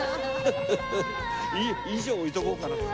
遺書置いとこうかな。